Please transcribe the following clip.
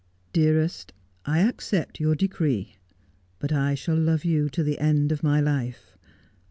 ' Dearest, — I accept your decree, but I shall love you to the end of my life.